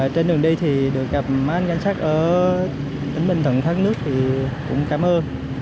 trên đường đi thì được gặp mát ngăn sát ở tỉnh bình thuận thắng nước thì cũng cảm ơn